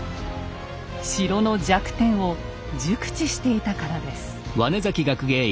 城の弱点を熟知していたからです。